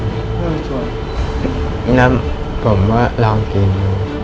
ถึงน้ำผมว่าล้างกีน